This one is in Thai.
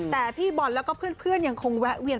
แต่พี่บอลแล้วก็เพื่อนยังคงแวะเวียน